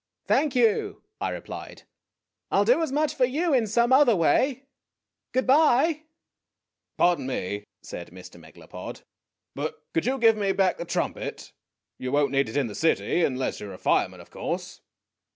"Thank you," I replied. "I '11 do as much for you in some other way. Good by." "Pardon me," said Mr. Megalopod, "but could you give me back the trumpet ? You won't need it in the city, unless you are a fireman, of course."